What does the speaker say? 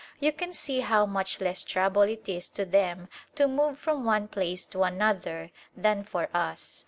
You can see how much less trouble it is to them to move from one place to another than for us.